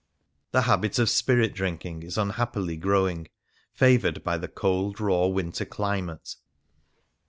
The habit of spirit drinking is unhappily growing, favoured by the cold, raw winter climate.